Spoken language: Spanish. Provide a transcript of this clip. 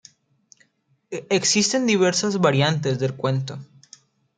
Existen diversas variantes del cuento.